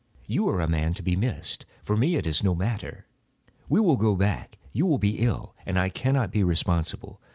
You are a man to be missed. For me it is no matter. We will go back; you will be ill, and I cannot be responsible.